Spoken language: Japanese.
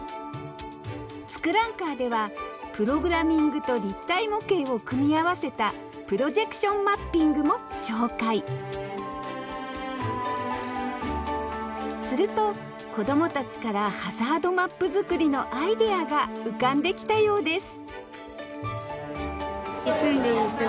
「ツクランカー」ではプログラミングと立体模型を組み合わせたプロジェクションマッピングも紹介すると子供たちからハザードマップ作りのアイデアが浮かんできたようです